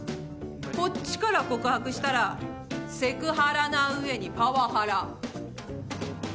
こっちから告白したらセクハラなうえにパワハラ。